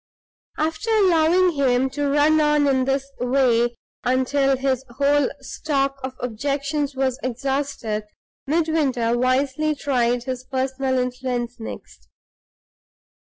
After allowing him to run on in this way until his whole stock of objections was exhausted, Midwinter wisely tried his personal influence next.